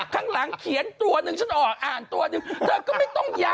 ข้างหลังเขียนตัวหนึ่งฉันออกอ่านตัวหนึ่งเธอก็ไม่ต้องย้ำ